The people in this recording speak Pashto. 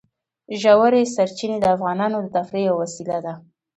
ژورې سرچینې د افغانانو د تفریح یوه وسیله ده.